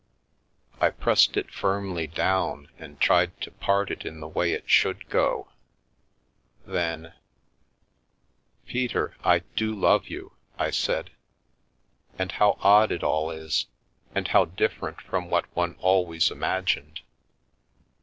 I pressed it firmly down, and tried to part it in the way it should go; then: " Peter, I do love you," I said ;" and how odd it all is, and how different from what one always imag ined